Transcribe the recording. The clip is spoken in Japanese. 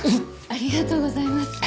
ありがとうございます。